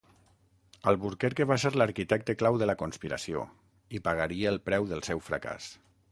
Albuquerque va ser l'arquitecte clau de la conspiració i pagaria el preu del seu fracàs.